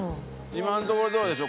今のところどうでしょう？